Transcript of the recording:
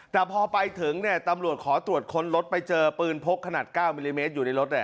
แต่พอไปถึงตำรวจขอตรวจค้นรถไปเจอปืนพกขนาด๙มิลลิเมตรอยู่ในรถ